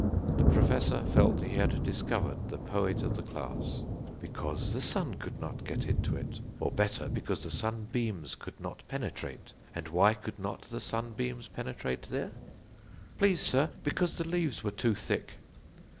The Professor felt he had discovered the poet of the class. "Because the sun could not get into it, or, better, because the sunbeams could not penetrate. And why could not the sunbeams penetrate there?" "Please, sir, because the leaves were too thick."